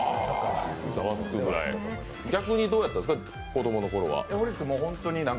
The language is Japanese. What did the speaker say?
逆にどうやったんですか、子供のころは。